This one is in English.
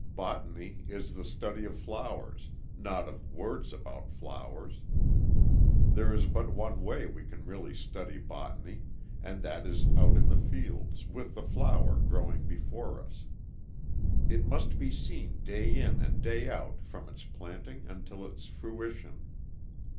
Botany is the study of flowers, not of words about flowers. There is but one way we can really study botany, and that is out in the fields with the flower growing before us. It must be seen day in and day out from its planting until its fruition.